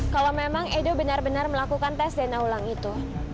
kalau memang edo benar benar melakukan tes dna ulang itu